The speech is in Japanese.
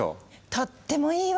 とってもいいわ！